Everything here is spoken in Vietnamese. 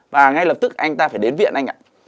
và ngay lập tức anh ta phải đến viện anh ạ